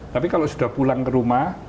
tapi kalau sudah pulang ke rumah